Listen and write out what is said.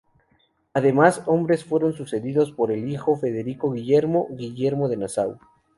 Ambos hombres fueron sucedidos por el hijo de Federico Guillermo, Guillermo de Nassau.